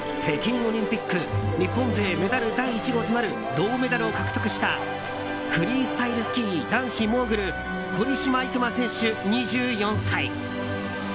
北京オリンピック日本勢メダル第１号となる銅メダルを獲得したフリースタイルスキー男子モーグル堀島行真選手、２４歳。